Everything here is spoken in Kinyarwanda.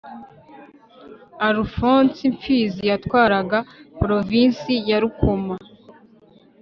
alfonsi mfizi yatwaraga provinsi ya rukoma